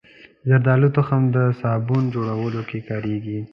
زردالو تخم د صابون جوړولو کې کارېږي.